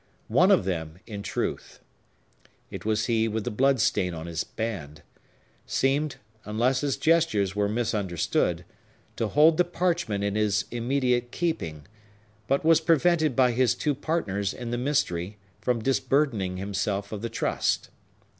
One of them, in truth,—it was he with the blood stain on his band,—seemed, unless his gestures were misunderstood, to hold the parchment in his immediate keeping, but was prevented by his two partners in the mystery from disburdening himself of the trust.